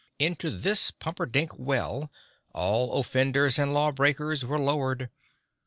Into this Pumperdink well all offenders and law breakers were lowered.